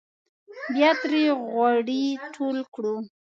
بیا ترې غوړي ټول کړو.